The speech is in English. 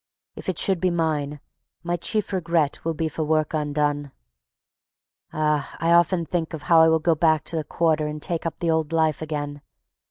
If it should be mine, my chief regret will be for work undone. Ah! I often think of how I will go back to the Quarter and take up the old life again.